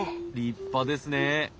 立派ですね！